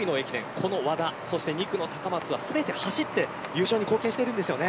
この和田２区の高松は全て走って優勝に貢献しています。